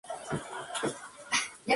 Esta situación duró pocos años.